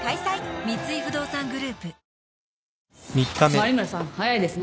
真梨邑さん早いですね。